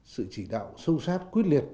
sự chỉ đạo sâu sát quyết liệt